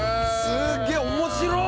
すっげえ面白っ！